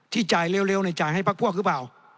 จ่ายเร็วในจ่ายให้พักพวกหรือเปล่า